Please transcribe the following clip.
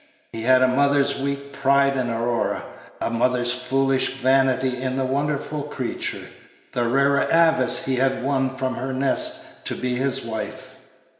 He had a mother's weak pride in Aurora, a mother's foolish vanity in the wonderful creature, the rara avis he had won from her nest to be his wife.